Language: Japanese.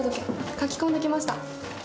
書き込んできました。